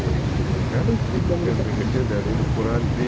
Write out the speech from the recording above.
dia mengungkap pidato yang mulia kapan dulu di perhitungan tempat yang kecil